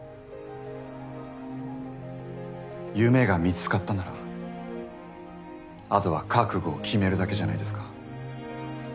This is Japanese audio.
夢が見つかったなら後は覚悟を決めるだけじゃないですか？